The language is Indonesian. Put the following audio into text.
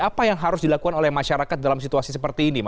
apa yang harus dilakukan oleh masyarakat dalam situasi seperti ini